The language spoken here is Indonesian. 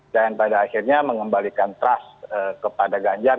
dan pada akhirnya mengembalikan trust kepada ganjar